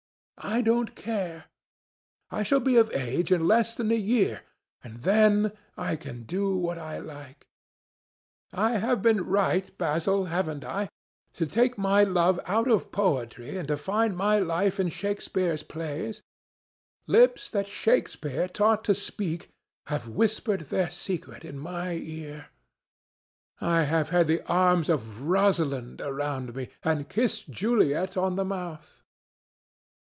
I don't care. I shall be of age in less than a year, and then I can do what I like. I have been right, Basil, haven't I, to take my love out of poetry and to find my wife in Shakespeare's plays? Lips that Shakespeare taught to speak have whispered their secret in my ear. I have had the arms of Rosalind around me, and kissed Juliet on the mouth."